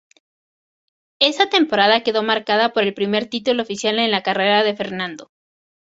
Esa temporada quedó marcada por el primer título oficial en la carrera de Fernando.